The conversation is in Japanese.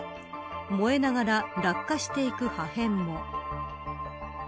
燃えながら落下していく破片も。